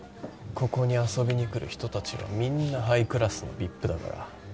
ここに遊びにくる人たちはみんなハイクラスのＶＩＰだから。